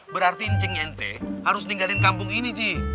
berarti ncing ente harus ninggalin kampung ini ji